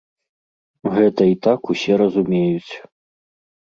Гэта і так усе разумеюць.